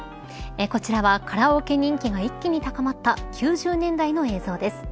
こちらは、カラオケ人気が一気に高まった９０年代の映像です。